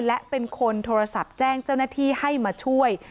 และเป็นคนโทรศัพท์แจ้งเจ้าหน้าที่ให้มาช่วย